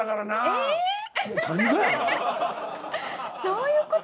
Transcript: そういう事？